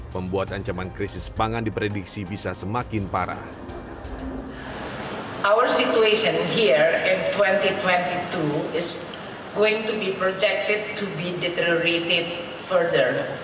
membuat ancaman krisis pangan diprediksi bisa semakin parah